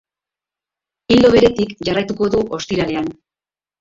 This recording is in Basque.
Ildo beretik jarraituko du ostiralean.